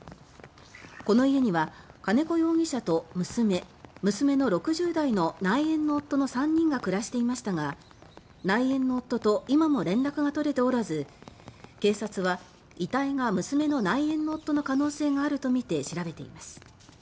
この家には金子容疑者と娘娘の６０代の内縁の夫の３人が暮らしていましたが内縁の夫と今も連絡がとれておらず警察は遺体が娘の内縁の夫の可能性があるとみて調べています。